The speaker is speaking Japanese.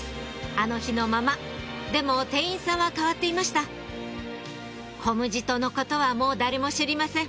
あの日のままでも店員さんは代わっていましたこむじとのことはもう誰も知りません